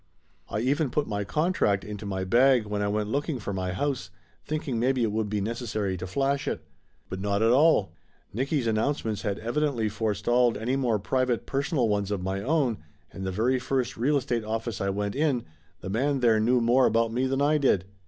I even put my contract into my bag when I went looking for my house, thinking maybe it would be necessary to flash it. But not at all. Nicky's an nouncements had evidently forestalled any more pri vate personal ones of my own, and the very first real estate office I went in, the man there knew more about me than I did.